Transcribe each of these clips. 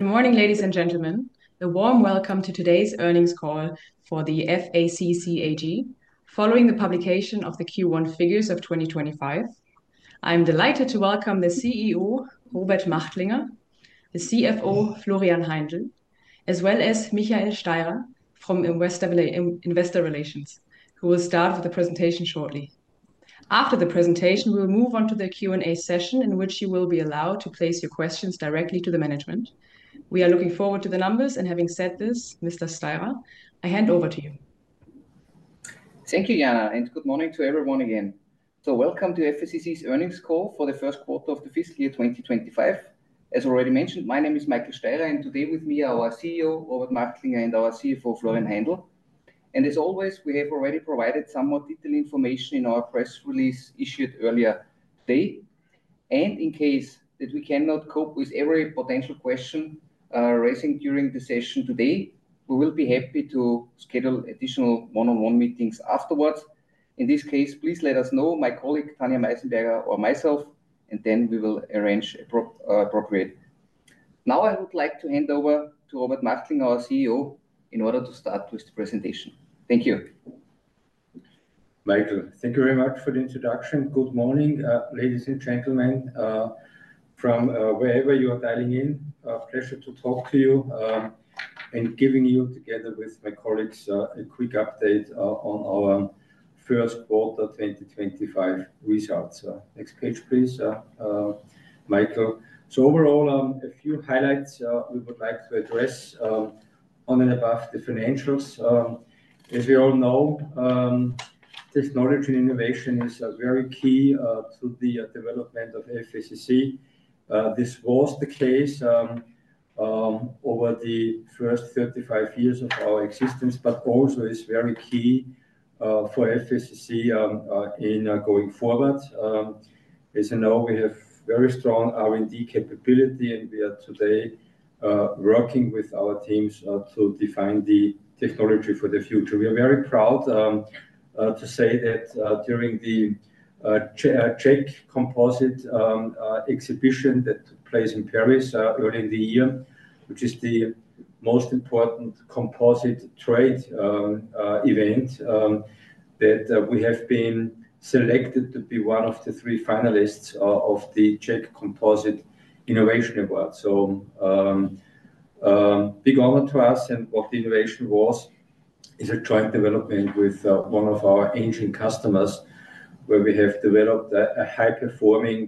Good morning, ladies and gentlemen. A warm welcome to today's earnings call for FACC AG, following the publication of the Q1 figures of 2025. I'm delighted to welcome the CEO, Robert Machtlinger, the CFO, Florian Heindl, as well as Michael Steirer from Investor Relations, who will start with the presentation shortly. After the presentation, we will move on to the Q&A session, in which you will be allowed to place your questions directly to the management. We are looking forward to the numbers, and having said this, Mr. Steirer, I hand over to you. Thank you, Jana, and good morning to everyone again. Welcome to FACC's earnings call for the first quarter of the fiscal year 2025. As already mentioned, my name is Michael Steirer, and today with me are our CEO, Robert Machtlinger, and our CFO, Florian Heindl. As always, we have already provided some more detailed information in our press release issued earlier today. In case that we cannot cope with every potential question raising during the session today, we will be happy to schedule additional one-on-one meetings afterwards. In this case, please let us know, my colleague Tanja Meissenberger or myself, and we will arrange appropriately. Now I would like to hand over to Robert Machtlinger, our CEO, in order to start with the presentation. Thank you. Michael, thank you very much for the introduction. Good morning, ladies and gentlemen, from wherever you are dialing in. A pleasure to talk to you and giving you, together with my colleagues, a quick update on our first quarter 2025 results. Next page, please, Michael. Overall, a few highlights we would like to address on and above the financials. As we all know, technology and innovation are very key to the development of FACC. This was the case over the first 35 years of our existence, but also is very key for FACC in going forward. As you know, we have very strong R&D capability, and we are today working with our teams to define the technology for the future. We are very proud to say that during the JEC Composites exhibition that took place in Paris earlier in the year, which is the most important composite trade event, that we have been selected to be one of the three finalists of the JEC Composite Innovation Award. A big honor to us, and what the innovation was is a joint development with one of our engine customers, where we have developed a high-performing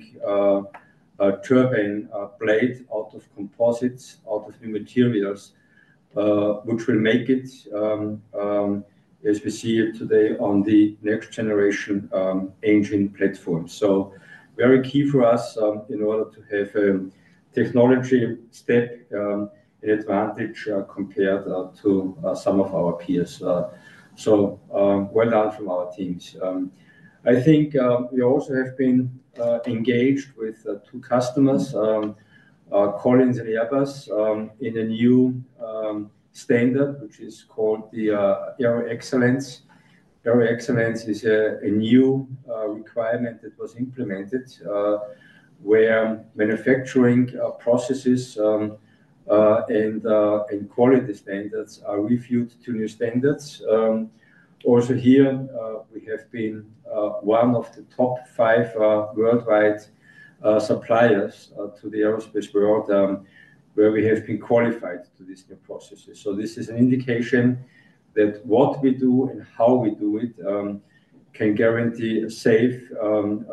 turbine blade out of composites, out of new materials, which will make it, as we see it today, on the next generation engine platform. Very key for us in order to have a technology step in advantage compared to some of our peers. Well done from our teams. I think we also have been engaged with two customers, Collins and Airbus, in a new standard, which is called the Aero Excellence. Aero Excellence is a new requirement that was implemented where manufacturing processes and quality standards are reviewed to new standards. Also here, we have been one of the top five worldwide suppliers to the aerospace world, where we have been qualified to these new processes. This is an indication that what we do and how we do it can guarantee safe and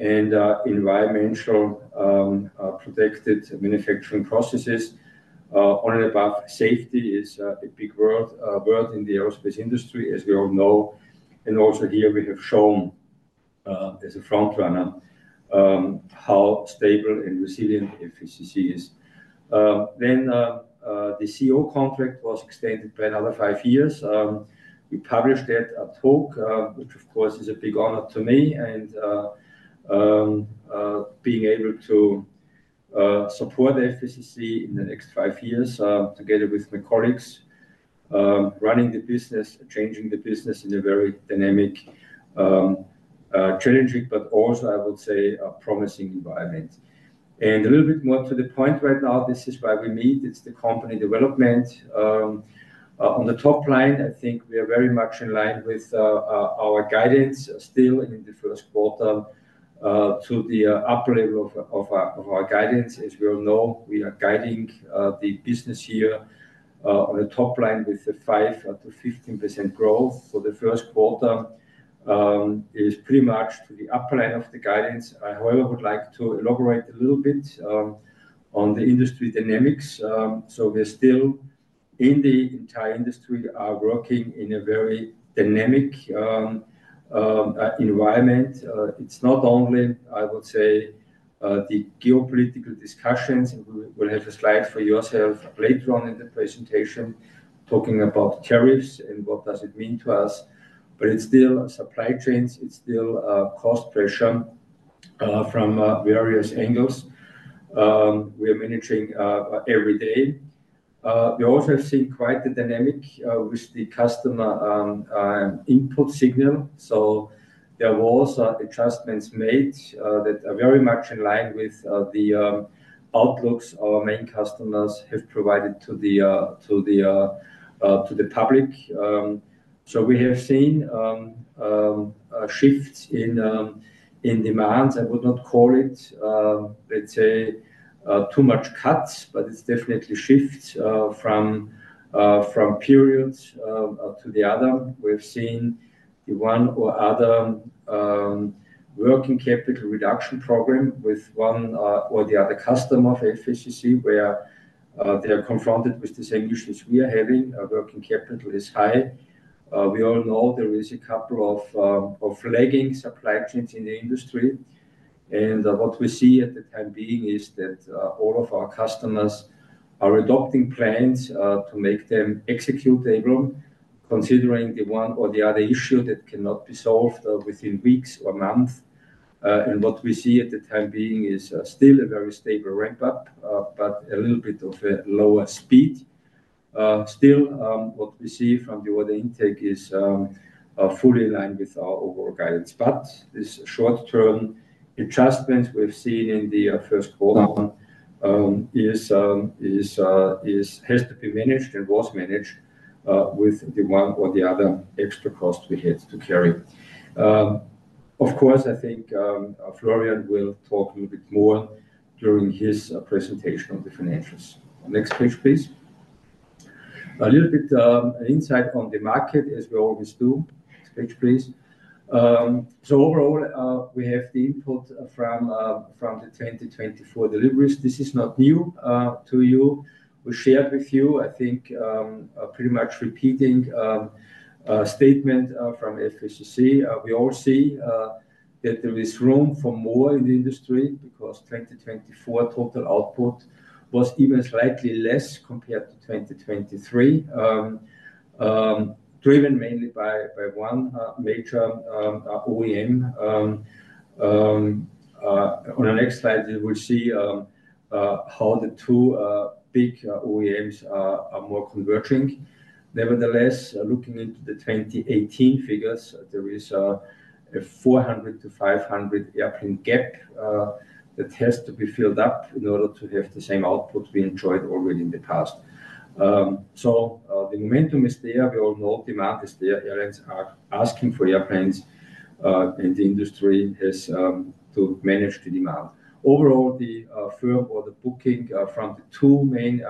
environmentally protected manufacturing processes. On and above, safety is a big word in the aerospace industry, as we all know. Also here, we have shown as a front runner how stable and resilient FACC is. The CEO contract was extended by another five years. We published that talk, which of course is a big honor to me, and being able to support FACC in the next five years together with my colleagues, running the business, changing the business in a very dynamic, challenging, but also, I would say, a promising environment. A little bit more to the point right now, this is why we meet. It's the company development. On the top line, I think we are very much in line with our guidance still in the first quarter to the upper level of our guidance. As we all know, we are guiding the business year on the top line with a 5%-15% growth for the first quarter. It is pretty much to the upper line of the guidance. I however would like to elaborate a little bit on the industry dynamics. We are still in the entire industry working in a very dynamic environment. It's not only, I would say, the geopolitical discussions. We will have a slide for yourself later on in the presentation talking about tariffs and what does it mean to us. It is still supply chains. It is still cost pressure from various angles we are managing every day. We also have seen quite the dynamic with the customer input signal. There were also adjustments made that are very much in line with the outlooks our main customers have provided to the public. We have seen shifts in demands. I would not call it, let's say, too much cuts, but it is definitely shifts from periods to the other. We've seen the one or other working capital reduction program with one or the other customer of FACC, where they are confronted with these ambitions we are having. Working capital is high. We all know there is a couple of lagging supply chains in the industry. What we see at the time being is that all of our customers are adopting plans to make them executable, considering the one or the other issue that cannot be solved within weeks or months. What we see at the time being is still a very stable ramp-up, but a little bit of a lower speed. Still, what we see from the order intake is fully in line with our overall guidance. This short-term adjustments we've seen in the first quarter has to be managed and was managed with the one or the other extra cost we had to carry. Of course, I think Florian will talk a little bit more during his presentation on the financials. Next page, please. A little bit of insight on the market, as we always do. Next page, please. Overall, we have the input from the 2024 deliveries. This is not new to you. We shared with you, I think, pretty much repeating a statement from FACC. We all see that there is room for more in the industry because 2024 total output was even slightly less compared to 2023, driven mainly by one major OEM. On the next slide, you will see how the two big OEMs are more converging. Nevertheless, looking into the 2018 figures, there is a 400-500 airplane gap that has to be filled up in order to have the same output we enjoyed already in the past. The momentum is there. We all know demand is there. Airlines are asking for airplanes, and the industry has to manage the demand. Overall, the firm order booking from the two main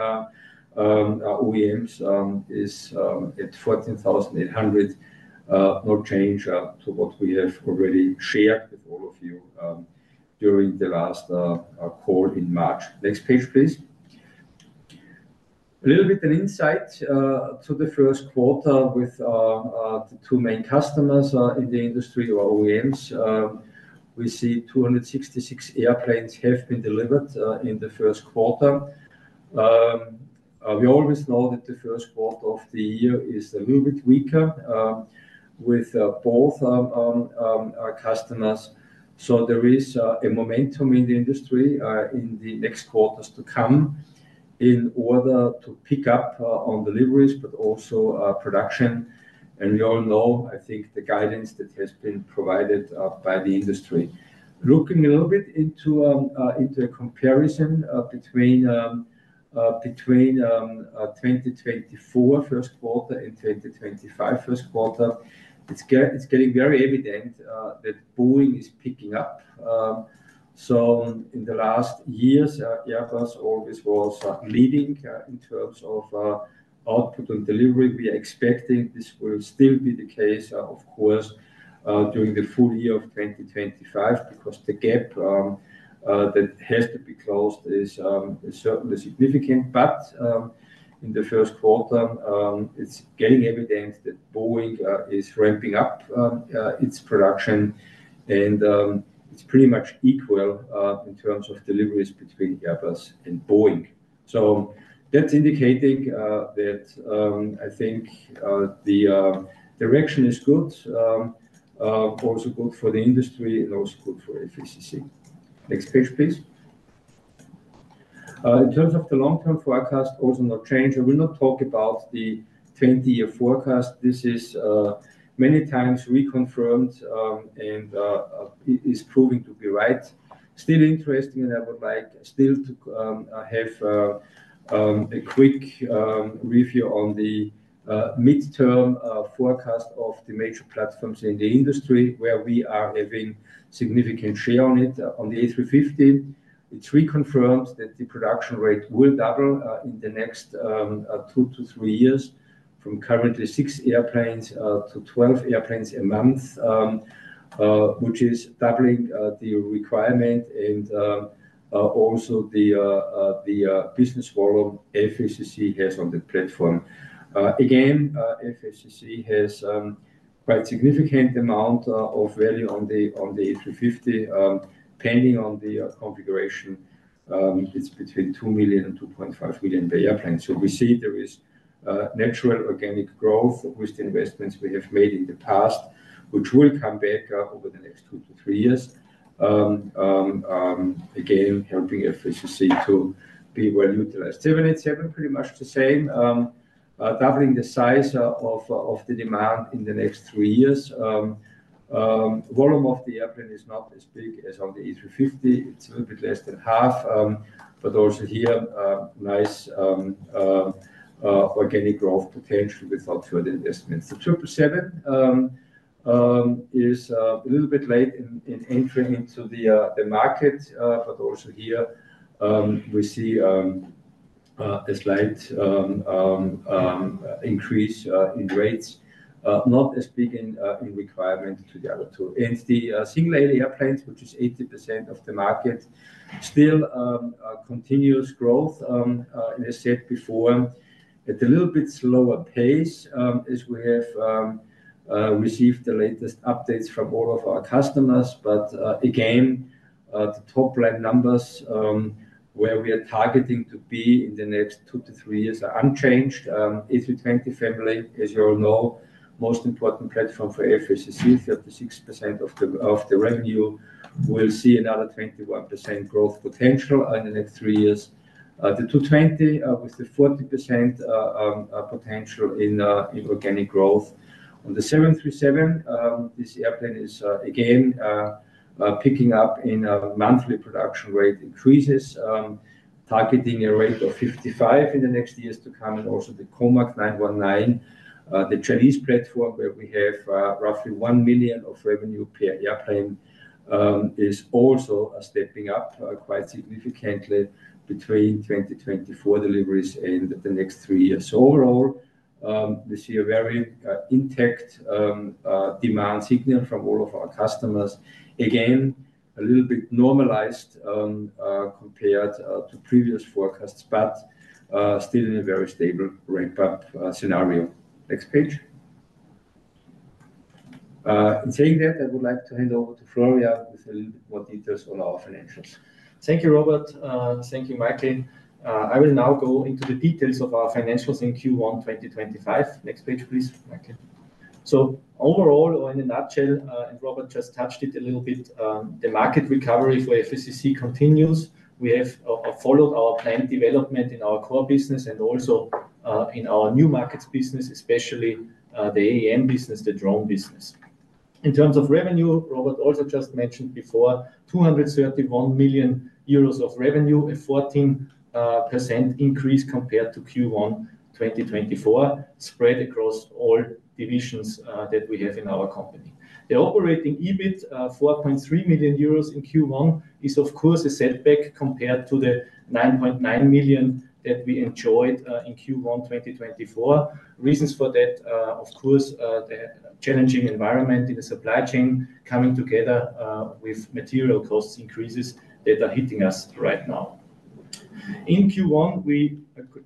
OEMs is at 14,800, no change to what we have already shared with all of you during the last call in March. Next page, please. A little bit of insight to the first quarter with the two main customers in the industry, or OEMs. We see 266 airplanes have been delivered in the first quarter. We always know that the first quarter of the year is a little bit weaker with both customers. There is a momentum in the industry in the next quarters to come in order to pick up on deliveries, but also production. We all know, I think, the guidance that has been provided by the industry. Looking a little bit into a comparison between 2024 first quarter and 2025 first quarter, it's getting very evident that Boeing is picking up. In the last years, Airbus always was leading in terms of output and delivery. We are expecting this will still be the case, of course, during the full year of 2025, because the gap that has to be closed is certainly significant. In the first quarter, it's getting evident that Boeing is ramping up its production, and it's pretty much equal in terms of deliveries between Airbus and Boeing. That's indicating that I think the direction is good, also good for the industry, and also good for FACC. Next page, please. In terms of the long-term forecast, also no change. I will not talk about the 20-year forecast. This is many times reconfirmed and is proving to be right. Still interesting, and I would like still to have a quick review on the mid-term forecast of the major platforms in the industry, where we are having significant share on it on the A350. It is reconfirmed that the production rate will double in the next two to three years from currently six airplanes to 12 airplanes a month, which is doubling the requirement and also the business volume FACC has on the platform. Again, FACC has quite a significant amount of value on the A350. Pending on the configuration, it is between 2 million and 2.5 million per airplane. We see there is natural organic growth with the investments we have made in the past, which will come back over the next two to three years, again helping FACC to be well utilized. 787, pretty much the same, doubling the size of the demand in the next three years. Volume of the airplane is not as big as on the A350. It's a little bit less than half, but also here, nice organic growth potential without further investments. The 777 is a little bit late in entering into the market, but also here we see a slight increase in rates, not as big in requirement to the other two. The single-aisle airplanes, which is 80% of the market, still continues growth. As I said before, at a little bit slower pace as we have received the latest updates from all of our customers. Again, the top line numbers where we are targeting to be in the next two to three years are unchanged. A320 family, as you all know, most important platform for FACC, 36% of the revenue. We'll see another 21% growth potential in the next three years. The A220 with the 40% potential in organic growth. On the 737, this airplane is again picking up in monthly production rate increases, targeting a rate of 55 in the next years to come. The Comac C919, the Chinese platform where we have roughly 1 million of revenue per airplane, is also stepping up quite significantly between 2024 deliveries and the next three years. Overall, we see a very intact demand signal from all of our customers. Again, a little bit normalized compared to previous forecasts, but still in a very stable ramp-up scenario. Next page. In saying that, I would like to hand over to Florian with a little bit more details on our financials. Thank you, Robert. Thank you, Michael. I will now go into the details of our financials in Q1 2025. Next page, please, Michael. Overall, or in a nutshell, and Robert just touched it a little bit, the market recovery for FACC continues. We have followed our planned development in our core business and also in our new markets business, especially the AEM business, the drone business. In terms of revenue, Robert also just mentioned before, 231 million euros of revenue, a 14% increase compared to Q1 2024, spread across all divisions that we have in our company. The operating EBIT, 4.3 million euros in Q1, is of course a setback compared to the 9.9 million that we enjoyed in Q1 2024. Reasons for that, of course, the challenging environment in the supply chain coming together with material cost increases that are hitting us right now. In Q1, we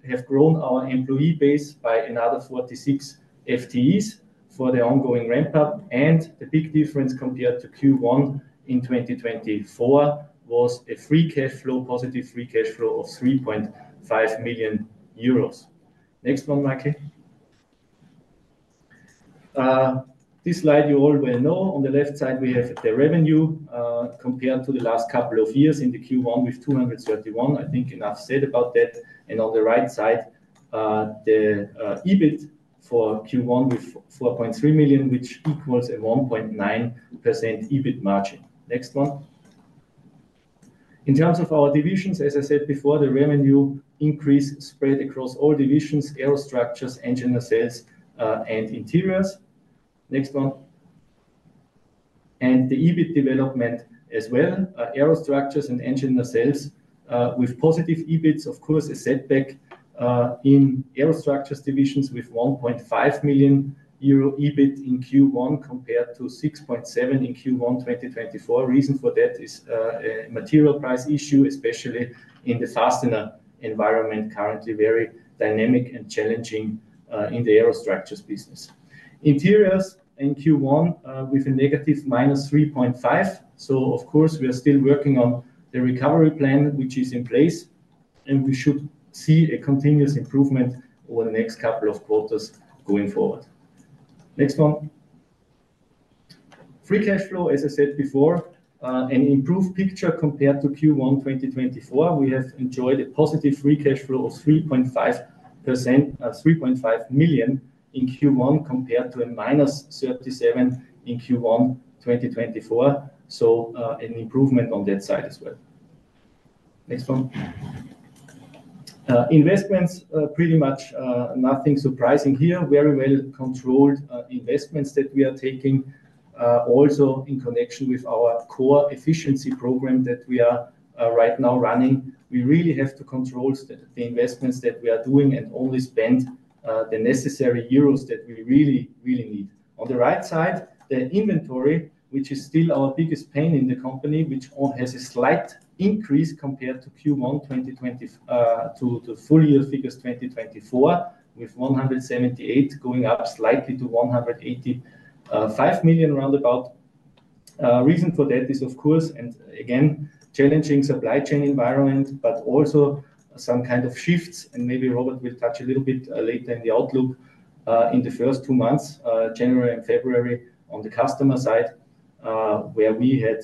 have grown our employee base by another 46 FTEs for the ongoing ramp-up. The big difference compared to Q1 in 2024 was a free cash flow, positive free cash flow of 3.5 million euros. Next one, Michael. This slide you all will know. On the left side, we have the revenue compared to the last couple of years in the Q1 with 231. I think enough said about that. On the right side, the EBIT for Q1 with 4.3 million, which equals a 1.9% EBIT margin. Next one. In terms of our divisions, as I said before, the revenue increase spread across all divisions, aerostructures, engine components, and interior solutions. Next one. The EBIT development as well, aerostructures and engine components with positive EBITs, of course, a setback in aerostructures divisions with 1.5 million euro EBIT in Q1 compared to 6.7 in Q1 2024. Reason for that is a material price issue, especially in the fastener environment, currently very dynamic and challenging in the aerostructures business. Interiors in Q1 with a negative minus 3.5. Of course, we are still working on the recovery plan, which is in place, and we should see a continuous improvement over the next couple of quarters going forward. Next one. Free cash flow, as I said before, an improved picture compared to Q1 2024. We have enjoyed a positive free cash flow of 3.5 million in Q1 compared to a minus 37 million in Q1 2024. An improvement on that side as well. Next one. Investments, pretty much nothing surprising here. Very well controlled investments that we are taking also in connection with our core efficiency program that we are right now running. We really have to control the investments that we are doing and only spend the necessary euros that we really, really need. On the right side, the inventory, which is still our biggest pain in the company, which has a slight increase compared to Q1 2024 to full year figures 2024, with 178 million going up slightly to 185 million roundabout. Reason for that is, of course, a challenging supply chain environment, but also some kind of shifts. Maybe Robert will touch a little bit later in the outlook in the first two months, January and February, on the customer side, where we had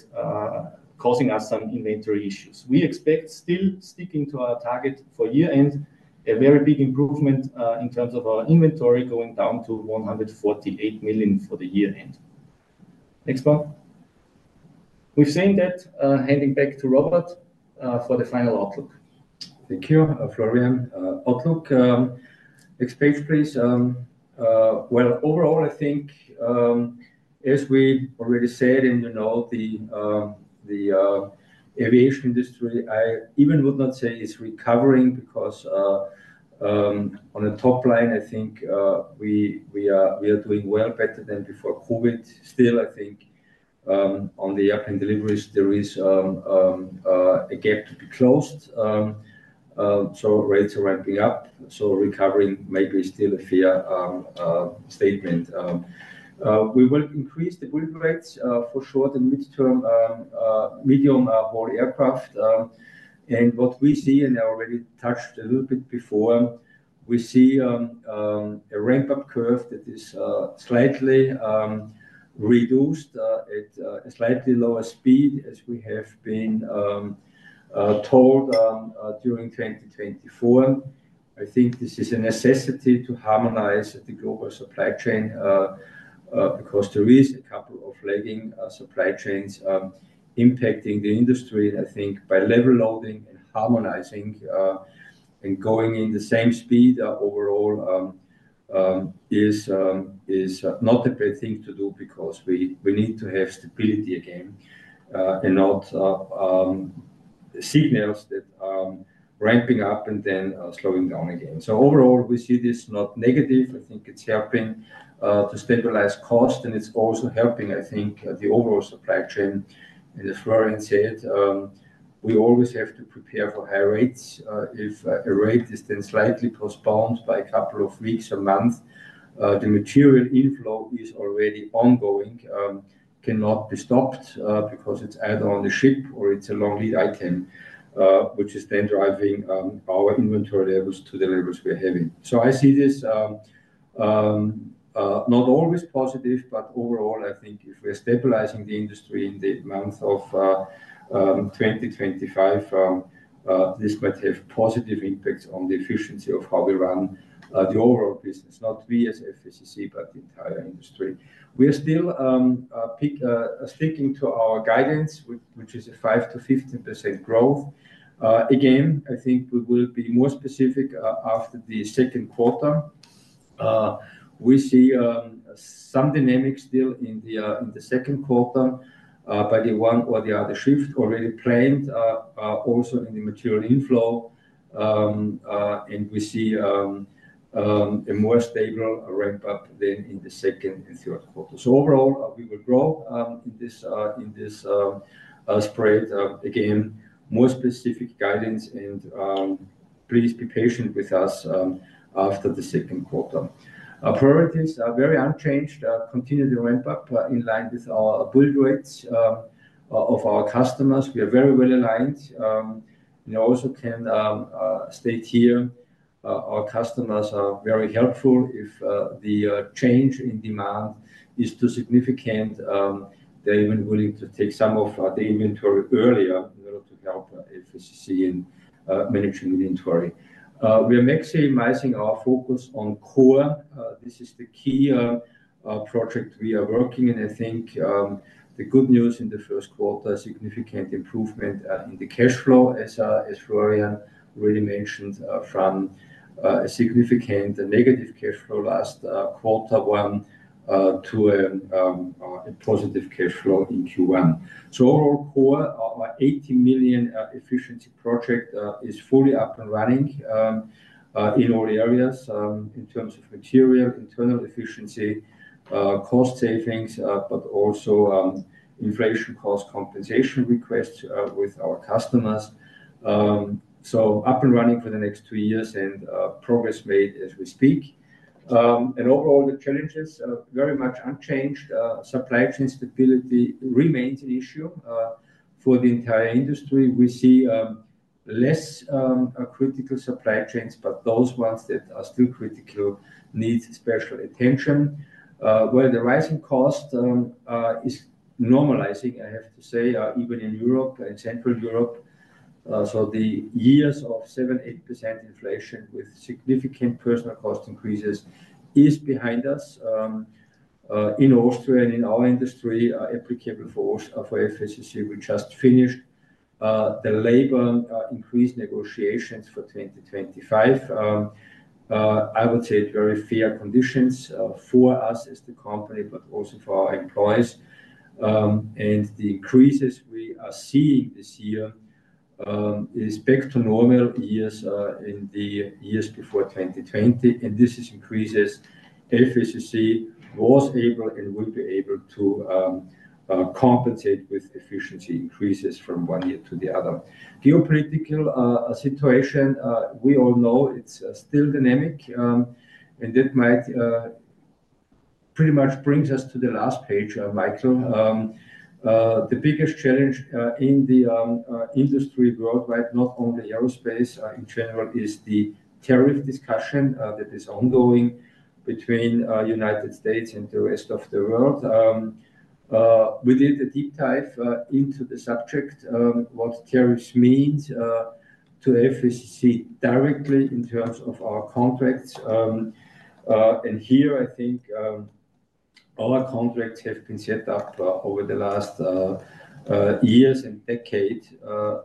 causing us some inventory issues. We expect still sticking to our target for year-end, a very big improvement in terms of our inventory going down to 148 million for the year-end. Next one. We've seen that. Handing back to Robert for the final outlook. Thank you, Florian. Outlook. Next page, please. As we already said, and you know the aviation industry, I even would not say it's recovering because on the top line, I think we are doing well better than before COVID. Still, I think on the airplane deliveries, there is a gap to be closed. Rates are ramping up. Recovering may be still a fair statement. We will increase the build rates for short and mid-term medium-haul aircraft. What we see, and I already touched a little bit before, we see a ramp-up curve that is slightly reduced at a slightly lower speed as we have been told during 2024. I think this is a necessity to harmonize the global supply chain because there is a couple of lagging supply chains impacting the industry. I think by level loading and harmonizing and going in the same speed overall is not a bad thing to do because we need to have stability again, not signals that are ramping up and then slowing down again. Overall, we see this not negative. I think it's helping to stabilize costs, and it's also helping, I think, the overall supply chain. As Florian said, we always have to prepare for high rates. If a rate is then slightly postponed by a couple of weeks or months, the material inflow is already ongoing, cannot be stopped because it's either on the ship or it's a long lead item, which is then driving our inventory levels to the levels we're having. I see this not always positive, but overall, I think if we're stabilizing the industry in the month of 2025, this might have positive impacts on the efficiency of how we run the overall business, not we as FACC, but the entire industry. We are still sticking to our guidance, which is a 5-15% growth. Again, I think we will be more specific after the second quarter. We see some dynamics still in the second quarter by the one or the other shift already planned also in the material inflow. We see a more stable ramp-up then in the second and third quarter. Overall, we will grow in this spread. Again, more specific guidance, and please be patient with us after the second quarter. Priorities are very unchanged. Continue the ramp-up in line with our build rates of our customers. We are very well aligned. I also can state here, our customers are very helpful if the change in demand is too significant. They are even willing to take some of the inventory earlier in order to help FACC in managing inventory. We are maximizing our focus on core. This is the key project we are working. I think the good news in the first quarter, significant improvement in the cash flow, as Florian already mentioned, from a significant negative cash flow last quarter one to a positive cash flow in Q1. Overall, core, our 80 million efficiency project is fully up and running in all areas in terms of material, internal efficiency, cost savings, but also inflation cost compensation requests with our customers. Up and running for the next two years and progress made as we speak. Overall, the challenges are very much unchanged. Supply chain stability remains an issue for the entire industry. We see less critical supply chains, but those ones that are still critical need special attention. The rising cost is normalizing, I have to say, even in Europe and Central Europe. The years of 7-8% inflation with significant personal cost increases is behind us. In Austria and in our industry, applicable for FACC, we just finished the labor increase negotiations for 2025. I would say very fair conditions for us as the company, but also for our employees. The increases we are seeing this year is back to normal years in the years before 2020. This is increases FACC was able and will be able to compensate with efficiency increases from one year to the other. Geopolitical situation, we all know it's still dynamic. That pretty much brings us to the last page, Michael. The biggest challenge in the industry worldwide, not only aerospace in general, is the tariff discussion that is ongoing between the United States and the rest of the world. We did a deep dive into the subject, what tariffs mean to FACC directly in terms of our contracts. Here, I think our contracts have been set up over the last years and decades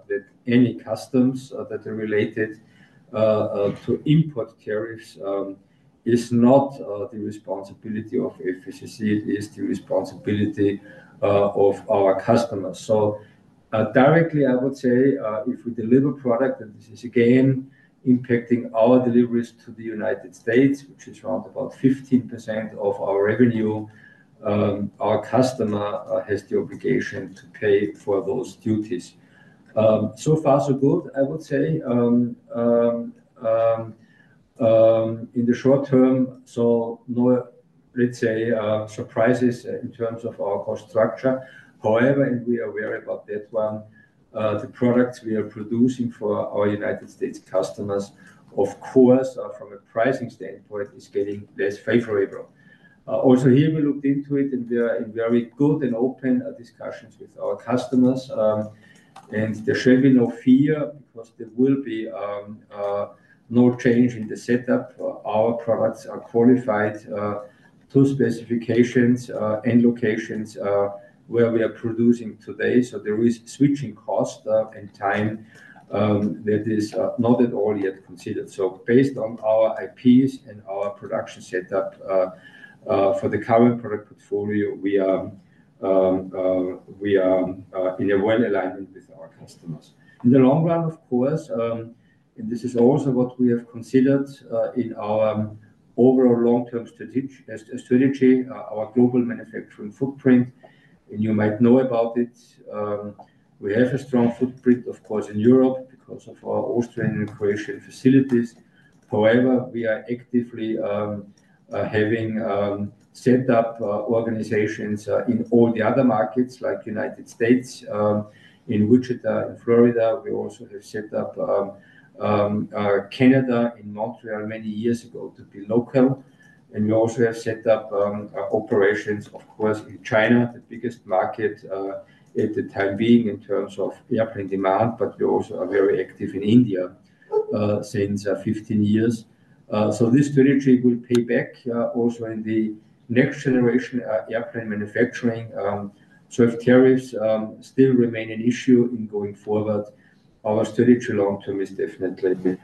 that any customs that are related to import tariffs is not the responsibility of FACC. It is the responsibility of our customers. Directly, I would say, if we deliver product, and this is again impacting our deliveries to the United States, which is around 15% of our revenue, our customer has the obligation to pay for those duties. So far, so good, I would say, in the short term. No, let's say, surprises in terms of our cost structure. However, and we are aware about that one, the products we are producing for our United States customers, of course, from a pricing standpoint, is getting less favorable. Also here, we looked into it, and we are in very good and open discussions with our customers. There should be no fear because there will be no change in the setup. Our products are qualified to specifications and locations where we are producing today. There is switching cost and time that is not at all yet considered. Based on our IPs and our production setup for the current product portfolio, we are in a well alignment with our customers. In the long run, of course, and this is also what we have considered in our overall long-term strategy, our global manufacturing footprint. You might know about it. We have a strong footprint, of course, in Europe because of our Austrian and Croatian facilities. However, we are actively having set up organizations in all the other markets, like the United States, in Wichita, in Florida. We also have set up Canada in Montreal many years ago to be local. We also have set up operations, of course, in China, the biggest market at the time being in terms of airplane demand, but we also are very active in India since 15 years. This strategy will pay back also in the next generation airplane manufacturing. Tariffs still remain an issue in going forward. Our strategy long-term is definitely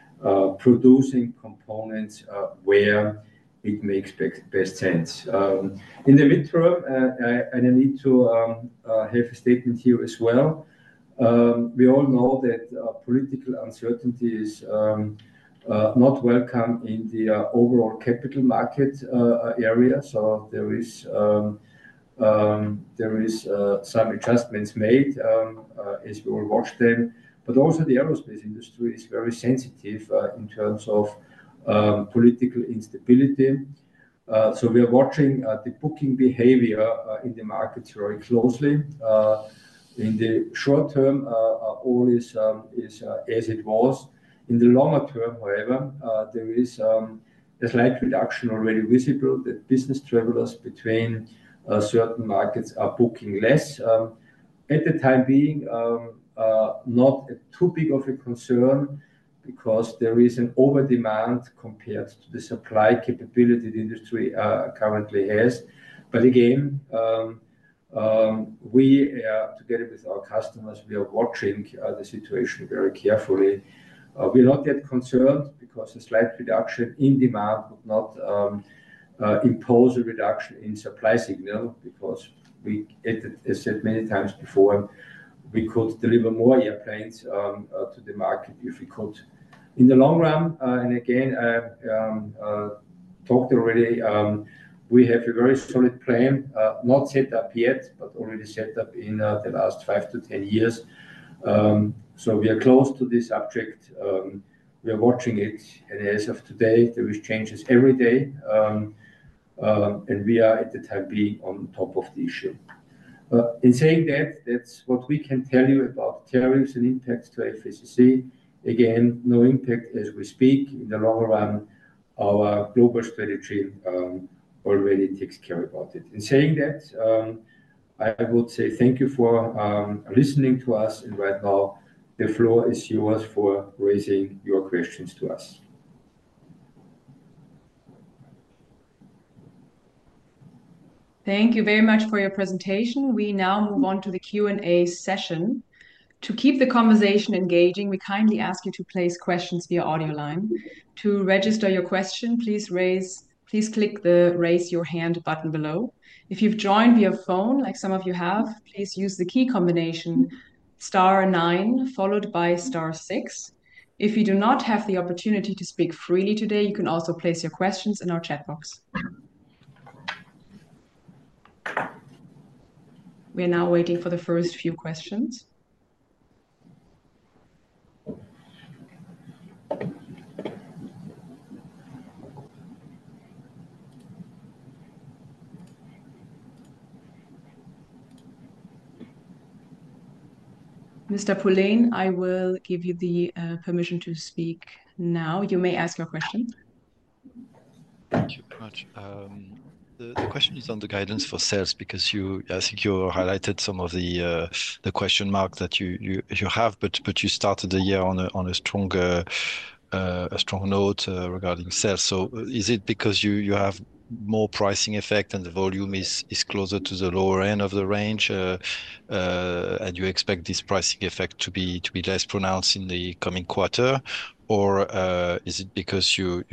producing components where it makes best sense. In the midterm, and I need to have a statement here as well. We all know that political uncertainty is not welcome in the overall capital market area. There is some adjustments made as we will watch them. Also, the aerospace industry is very sensitive in terms of political instability. We are watching the booking behavior in the markets very closely. In the short term, all is as it was. In the longer term, however, there is a slight reduction already visible that business travelers between certain markets are booking less. At the time being, not too big of a concern because there is an over demand compared to the supply capability the industry currently has. Again, together with our customers, we are watching the situation very carefully. We are not yet concerned because a slight reduction in demand would not impose a reduction in supply signal because we, as I said many times before, we could deliver more airplanes to the market if we could. In the long run, and again, I talked already, we have a very solid plan, not set up yet, but already set up in the last 5 to 10 years. We are close to this subject. We are watching it. As of today, there are changes every day. We are at the time being on top of the issue. In saying that, that's what we can tell you about tariffs and impacts to FACC. Again, no impact as we speak. In the long run, our global strategy already takes care about it. In saying that, I would say thank you for listening to us. Right now, the floor is yours for raising your questions to us. Thank you very much for your presentation. We now move on to the Q&A session. To keep the conversation engaging, we kindly ask you to place questions via audio line. To register your question, please click the raise your hand button below. If you've joined via phone, like some of you have, please use the key combination star 9 followed by star 6. If you do not have the opportunity to speak freely today, you can also place your questions in our chat box. We are now waiting for the first few questions. Mr. Poulain, I will give you the permission to speak now. You may ask your question. Thank you much. The question is on the guidance for sales because I think you highlighted some of the question marks that you have, but you started the year on a strong note regarding sales. Is it because you have more pricing effect and the volume is closer to the lower end of the range, and you expect this pricing effect to be less pronounced in the coming quarter? Is it because you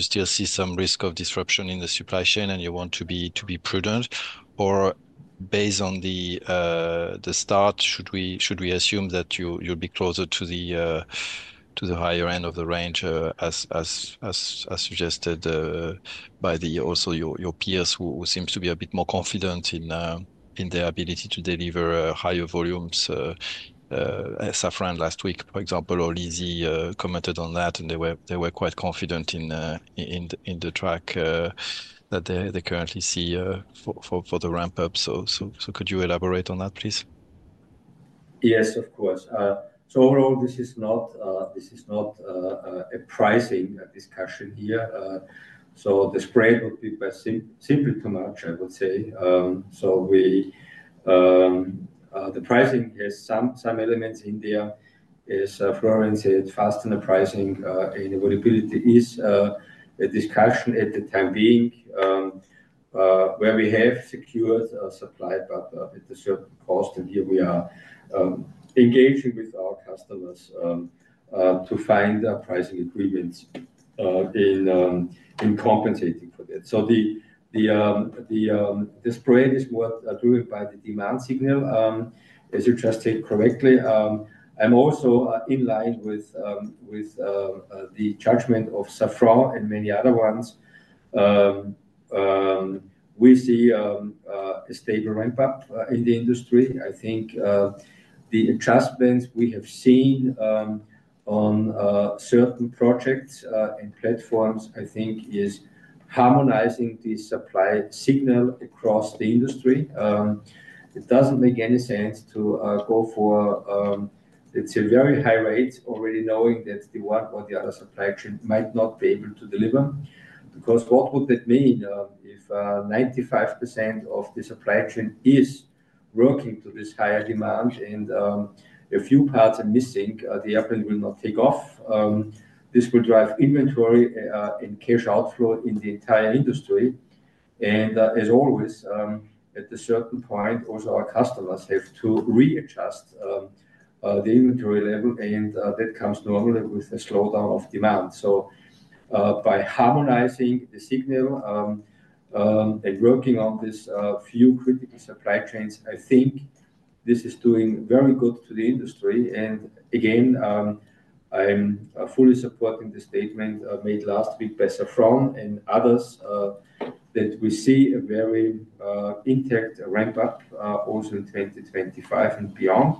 still see some risk of disruption in the supply chain and you want to be prudent? Based on the start, should we assume that you'll be closer to the higher end of the range as suggested by also your peers who seem to be a bit more confident in their ability to deliver higher volumes? Safran last week, for example, or Lizzie commented on that, and they were quite confident in the track that they currently see for the ramp-up. Could you elaborate on that, please? Yes, of course. Overall, this is not a pricing discussion here. The spread would be simply too much, I would say. The pricing has some elements in there, as Florian said, fastener pricing and availability is a discussion at the time being where we have secured supply, but at a certain cost. Here we are engaging with our customers to find pricing agreements in compensating for that. The spread is more driven by the demand signal, as you just said correctly. I am also in line with the judgment of Safran and many other ones. We see a stable ramp-up in the industry. I think the adjustments we have seen on certain projects and platforms, I think, is harmonizing the supply signal across the industry. It does not make any sense to go for, let's say, very high rates already knowing that one or the other supply chain might not be able to deliver. Because what would that mean if 95% of the supply chain is working to this higher demand and a few parts are missing, the airplane will not take off? This will drive inventory and cash outflow in the entire industry. As always, at a certain point, also our customers have to readjust the inventory level. That comes normally with a slowdown of demand. By harmonizing the signal and working on these few critical supply chains, I think this is doing very good to the industry. Again, I'm fully supporting the statement made last week by Safran and others that we see a very intact ramp-up also in 2025 and beyond.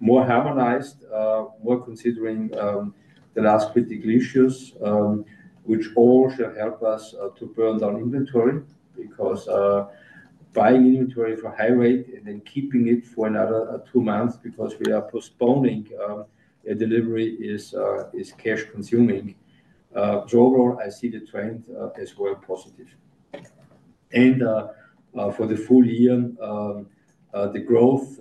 More harmonized, more considering the last critical issues, which all should help us to burn down inventory because buying inventory for high rate and then keeping it for another two months because we are postponing a delivery is cash-consuming. Overall, I see the trend as well positive. For the full year, the growth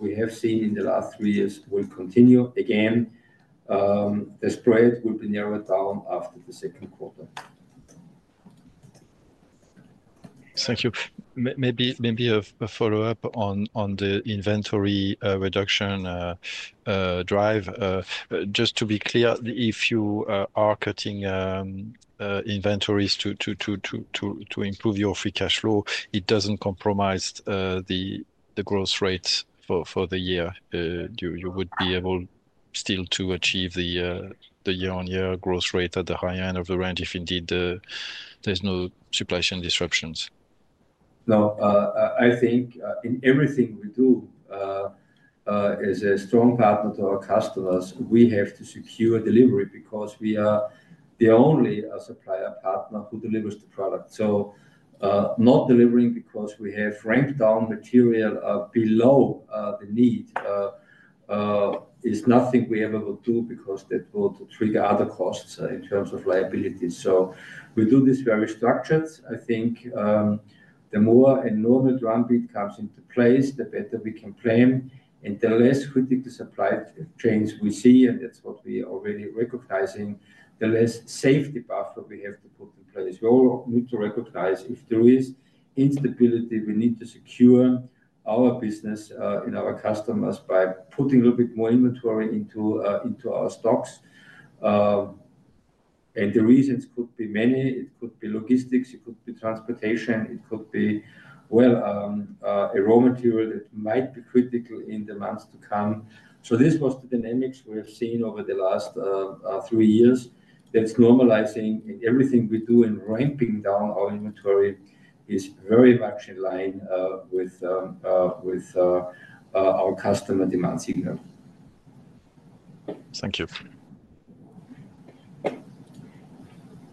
we have seen in the last three years will continue. Again, the spread will be narrowed down after the second quarter. Thank you. Maybe a follow-up on the inventory reduction drive. Just to be clear, if you are cutting inventories to improve your free cash flow, it doesn't compromise the growth rate for the year. You would be able still to achieve the year-on-year growth rate at the high end of the range if indeed there's no supply chain disruptions. No, I think in everything we do as a strong partner to our customers, we have to secure delivery because we are the only supplier partner who delivers the product. Not delivering because we have ramped down material below the need is nothing we ever would do because that would trigger other costs in terms of liability. We do this very structured. I think the more a normal drumbeat comes into place, the better we can claim. The less critical supply chains we see, and that's what we are already recognizing, the less safety buffer we have to put in place. We all need to recognize if there is instability, we need to secure our business and our customers by putting a little bit more inventory into our stocks. The reasons could be many. It could be logistics. It could be transportation. It could be raw material that might be critical in the months to come. This was the dynamics we have seen over the last three years. That's normalizing everything we do and ramping down our inventory is very much in line with our customer demand signal. Thank you.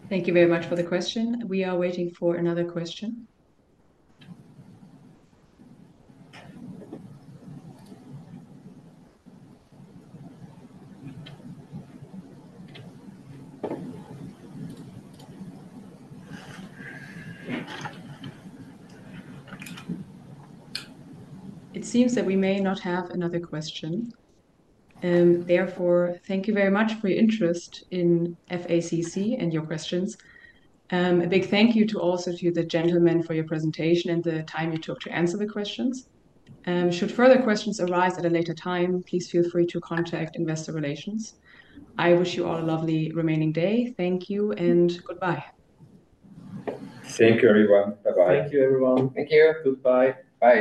Thank you very much for the question. We are waiting for another question. It seems that we may not have another question. Therefore, thank you very much for your interest in FACC and your questions. A big thank you also to the gentlemen for your presentation and the time you took to answer the questions. Should further questions arise at a later time, please feel free to contact Investor Relations. I wish you all a lovely remaining day. Thank you and goodbye. Thank you, everyone. Bye-bye. Thank you, everyone. Thank you. Goodbye. Bye.